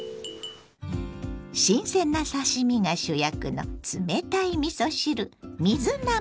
新鮮な刺身が主役の冷たいみそ汁水なます。